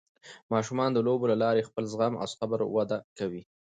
ماشومان د لوبو له لارې خپل زغم او صبر وده کوي.